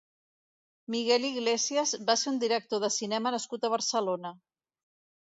Miguel Iglesias va ser un director de cinema nascut a Barcelona.